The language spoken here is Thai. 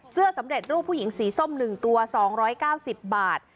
สำเร็จรูปผู้หญิงสีส้ม๑ตัว๒๙๐บาท